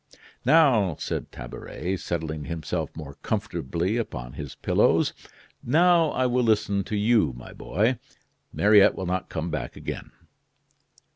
"Now," said Tabaret, settling himself more comfortably upon his pillows "now I will listen to you, my boy. Mariette will not come back again."